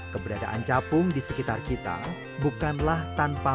keberadaan capung di sekitar kita bukanlah tanpa